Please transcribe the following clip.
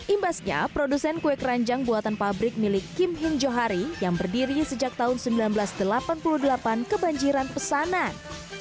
imbasnya produsen kue keranjang buatan pabrik milik kim hin johari yang berdiri sejak tahun seribu sembilan ratus delapan puluh delapan kebanjiran pesanan